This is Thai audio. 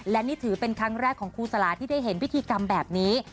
และนี่ถือเป็นครั้งแรกของครูสลาที่ได้เห็นพิธีกรรมแบบนี้